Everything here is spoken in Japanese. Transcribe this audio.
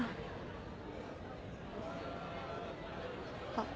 あっ。